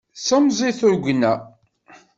Semẓi tugna.